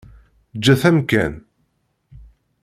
Ǧǧet amkan.